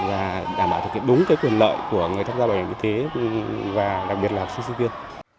và đảm bảo thực hiện đúng cái quyền lợi của người tham gia bảo hiểm y tế và đặc biệt là học sinh sinh viên